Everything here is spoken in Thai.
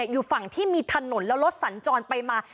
อยู่ฝั่งที่มีถนนแล้วรถสัญจรไปมา